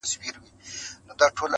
ځوان د خپلي خولگۍ دواړي شونډي قلف کړې,